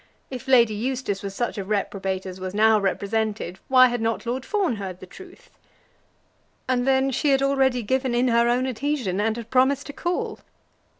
If Lady Eustace was such a reprobate as was now represented, why had not Lord Fawn heard the truth? And then she had already given in her own adhesion, and had promised to call.